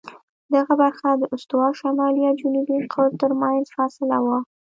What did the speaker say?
دغه برخه د استوا او شمالي یا جنوبي قطب ترمنځ فاصله وه.